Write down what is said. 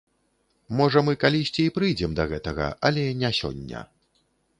Можа, мы калісьці і прыйдзем да гэтага, але не сёння.